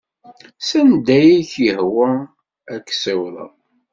Sanda ay ak-yehwa ad k-ssiwḍeɣ.